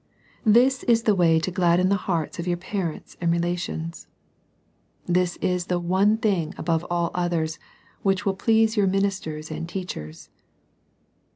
This is the way to gladden the hearts of your parents and relations. This is the one thing above all others, which will please your minis ters and teachers.